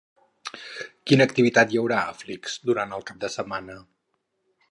Quina activitat hi haurà a Flix durant el cap de setmana?